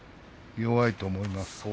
弱いと思います。